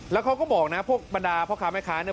แล้วเขาก็บอกนะพวกบรรดาพ่อค้าแม่ค้าเนี่ย